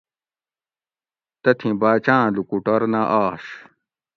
تتھیں باچاآں لوکوٹور نہ آش